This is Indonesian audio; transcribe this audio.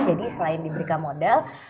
jadi selain diberikan modal